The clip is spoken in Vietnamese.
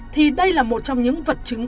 thì đây là một trong những vật chứng